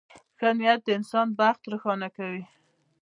• ښه نیت د انسان بخت روښانه کوي.